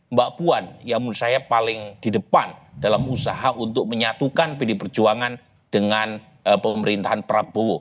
mbak puan yang menurut saya paling di depan dalam usaha untuk menyatukan pdi perjuangan dengan pemerintahan prabowo